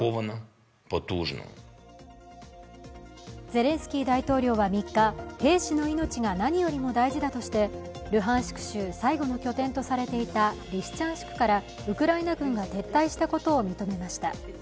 ゼレンスキー大統領は３日、兵士の命が何よりも大事だとしてルハンシク州最後の拠点とされていたリシチャンシクからウクライナ軍が撤退したことを認めました。